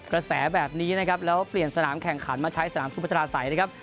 กระแสแบบนี้นะครับแล้วเปลี่ยนสนามแข่งขันมาใช้สนามสุพัฒนาศัยนะครับ